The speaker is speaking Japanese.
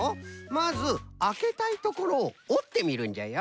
まずあけたいところをおってみるんじゃよ。